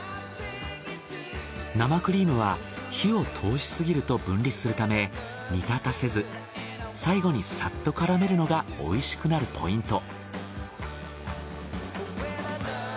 生クリームは火を通しすぎると分離するため煮立たせず最後にサッと絡めるのが美味しくなるポイント。